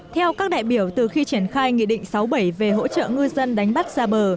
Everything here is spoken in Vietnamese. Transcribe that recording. theo các đại biểu từ khi triển khai nghị định sáu bảy về hỗ trợ ngư dân đánh bắt ra bờ